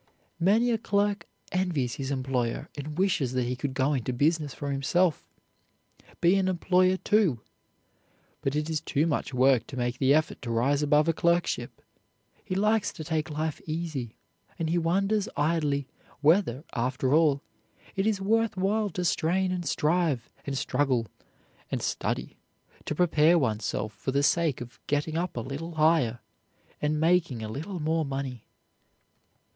Many a clerk envies his employer and wishes that he could go into business for himself, be an employer too but it is too much work to make the effort to rise above a clerkship. He likes to take life easy; and he wonders idly whether, after all, it is worth while to strain and strive and struggle and study to prepare oneself for the sake of getting up a little higher and making a little more money.